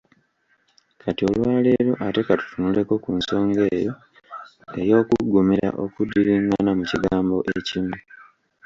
Kati olwaleero ate ka tutunuleko ku nsonga eyo ey’okuggumira okuddiringana mu kigambo ekimu.